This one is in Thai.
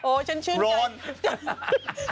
โอ้ฉันชื่นใจ